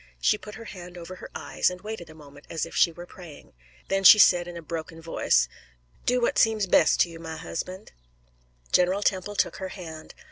She put her hand over her eyes and waited a moment as if she were praying. Then she said in broken voice, "Do what seems best to you, my husband." General Temple took her hand.